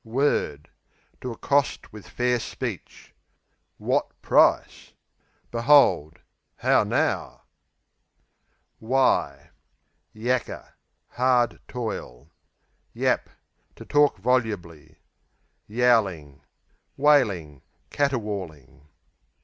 Word To accost with fair speech. Wot price Behold; how now! Yakker Hard toil. Yap To talk volubly. Yowling Wailing; caterwauling.